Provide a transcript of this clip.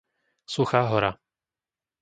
Suchá Hora